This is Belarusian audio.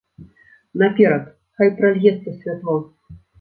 Наперад, хай пральецца святло!